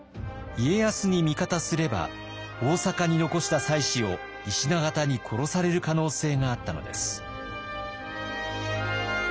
家康に味方すれば大坂に残した妻子を石田方に殺される可能性があったのです。